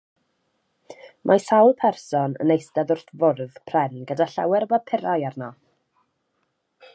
Mae sawl person yn eistedd wrth fwrdd pren gyda llawer o bapurau arno